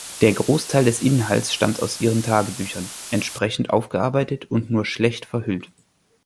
Der Großteil des Inhalts stammt aus ihren Tagebüchern, entsprechend aufgearbeitet und nur schlecht verhüllt.